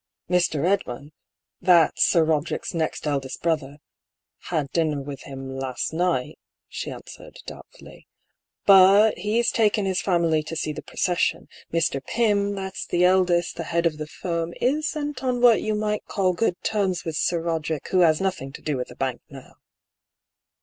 "Mr. Edmund — that's Sir Roderick's next eldest brother — had dinner with him last night," she answered, doubtfully, " But he's taken his family to see the pro cession. Mr. Pym — that's the eldest, the head of the firm — isn't on what you might call good terms with Sir Roderick, who has nothing to do with the bank now."